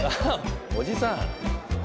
おじさん。